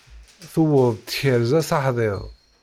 Tuweḍ tkerza s aḥdid.